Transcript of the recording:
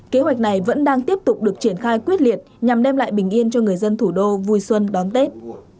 kế hoạch này vẫn đang tiếp tục được triển khai quyết liệt nhằm đem lại bình yên cho người dân thủ đô vui xuân đón tết